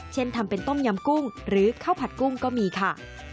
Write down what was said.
ทำเป็นต้มยำกุ้งหรือข้าวผัดกุ้งก็มีค่ะ